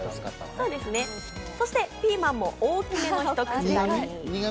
そしてピーマンも大きめの、ひと口大に。